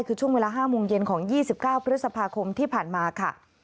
คือช่วงเวลา๕โมงเย็นของ๒๙พฤษภาคมที่ผ่านมาค่ะ